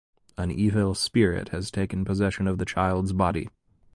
An evil spirit has taken possession of the child’s body.